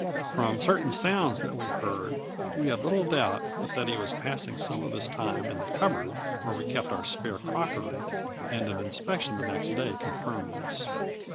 From certain sounds that we heard, we had little doubt but that he was passing some of his time in the cupboard where we kept our spare crockery, and an inspection the next day confirmed this.